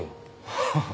ハハハ。